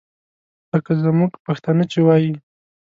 لکه زموږ پښتانه چې وایي.